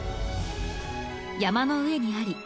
山の上にあり四季